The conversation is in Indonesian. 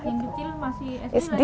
yang kecil masih sd lagi